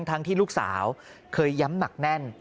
ทั้งที่ลูกสาวเคยย้ำหนักแน่น